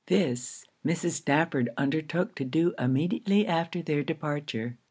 This, Mrs. Stafford undertook to do immediately after their departure.